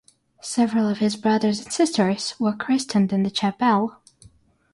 Several of his brothers and sisters were christened in the chapel.